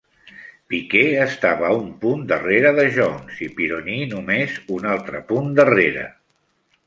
Piquet estava a un punt darrere de Jones i Pironi només un altre punt darrere.